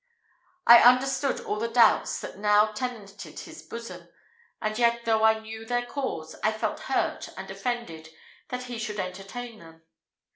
I understood all the doubts that now tenanted his bosom, and yet, though I knew their cause, I felt hurt and offended that he should entertain them.